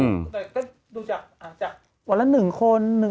ดูจากวันละ๑คน